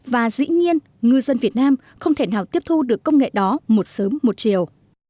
và dĩ nhiên ngư dân việt nam không thể nào tiếp thu được công nghệ đó một sớm một chiều